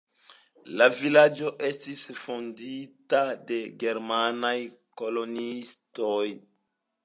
La vilaĝo estis fondita de germanaj koloniistoj.